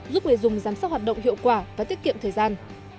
giúp người dùng giám sát hoạt động hiệu quả và tiết kiệm thời gian